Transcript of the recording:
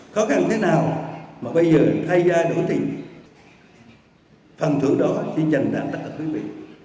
khó khăn thế nào mà bây giờ thay ra đối tình phần thưởng đó chỉ trần đáng tất cả quý vị